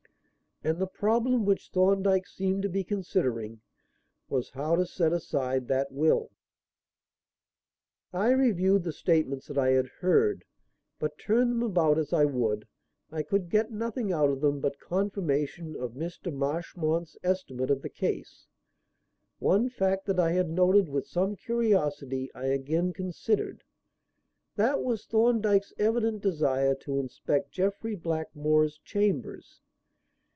And the problem which Thorndyke seemed to be considering was how to set aside that will. I reviewed the statements that I had heard, but turn them about as I would, I could get nothing out of them but confirmation of Mr. Marchmont's estimate of the case. One fact that I had noted with some curiosity I again considered; that was Thorndyke's evident desire to inspect Jeffrey Blackmore's chambers.